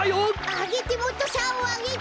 あげてもっとさおあげて！